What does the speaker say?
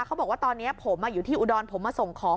เขาบอกว่าตอนนี้ผมอยู่ที่อุดรผมมาส่งของ